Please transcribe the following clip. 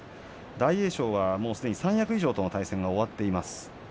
大栄翔はすでに三役以上との対戦が終わっています。